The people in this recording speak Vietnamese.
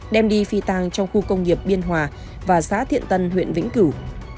đem đi phi tàng trong khu công nghiệp biên hòa và xã thiện tân huyện vĩnh cửu